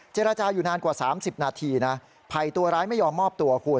เจรจาอยู่นานกว่า๓๐นาทีนะภัยตัวร้ายไม่ยอมมอบตัวคุณ